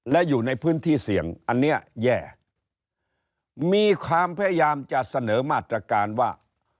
และอยู่ในพื้นที่เสี่ยงอันเนี้ยแย่มีความพยายามจะเสนอมาตรการว่า